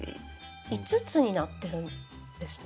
５つになってるんですね。